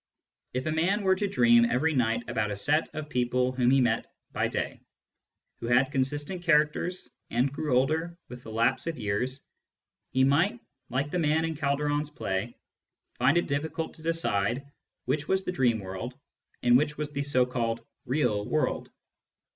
If a man were to dream every night about a set of people whom he never met by day, who had consistent characters and grew older with the lapse of years, he might, like the man in Calderon's play, find it diflicult to decide which was the dream world and which was the so called " real " world.